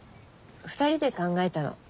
２人で考えたの。